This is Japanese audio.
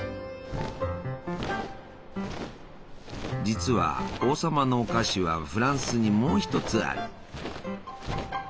実は「王様のお菓子」はフランスにもう一つある。